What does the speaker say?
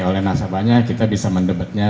oleh nasabahnya kita bisa mendebatnya